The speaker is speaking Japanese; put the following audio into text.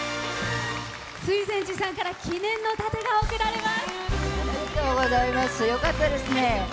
水前寺さんから記念の盾がよかったですね。